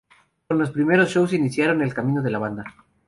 Con los primeros shows iniciaron el camino de la banda.